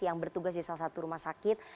yang bertugas di salah satu rumah sakit